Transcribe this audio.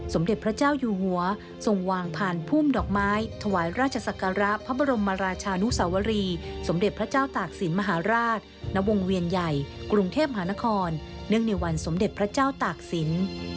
สมเด็จพระเจ้าอยู่หัวทรงวางผ่านพุ่มดอกไม้ถวายราชศักระพระบรมราชานุสวรีสมเด็จพระเจ้าตากศิลป์มหาราชณวงเวียนใหญ่กรุงเทพมหานครเนื่องในวันสมเด็จพระเจ้าตากศิลป์